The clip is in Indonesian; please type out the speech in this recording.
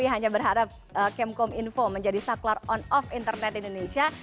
hanya berharap kemkom info menjadi saklar on off internet indonesia